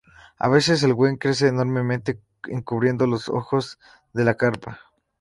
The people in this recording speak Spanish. A veces el wen crece enormemente cubriendo los ojos de la carpa.